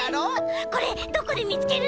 これどこでみつけるの？